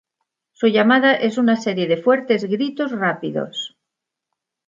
Su llamada es una serie de fuertes gritos rápidos.